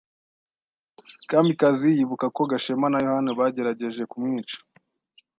Kamikazi yibuka ko Gashema na Yohana bagerageje kumwica.